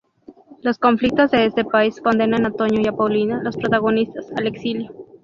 Los conflictos de este país condenan a Toño y Paulina, los protagonistas, al exilio.